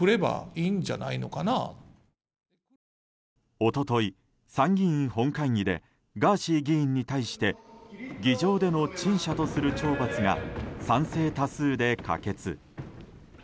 一昨日、参議院本会議でガーシー議員に対して議場での陳謝とする懲罰が賛成多数で可決。